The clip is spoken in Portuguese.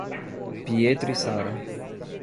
Pietro e Sarah